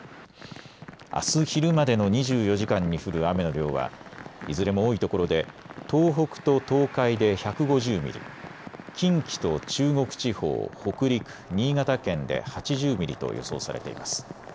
あす昼までの２４時間に降る雨の量はいずれも多い所で東北と東海で１５０ミリ、近畿と中国地方、北陸、新潟県で８０ミリと予想されています。